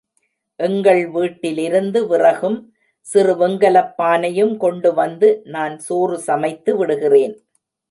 எங்கள் வீட்டிலிருந்து விறகும் சிறு வெங்கலப்பானையும் கொண்டு வந்து, நான் சோறு சமைத்து விடுகிறேன்.